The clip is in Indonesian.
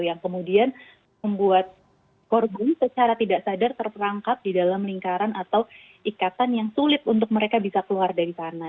yang kemudian membuat korban secara tidak sadar terperangkap di dalam lingkaran atau ikatan yang sulit untuk mereka bisa keluar dari sana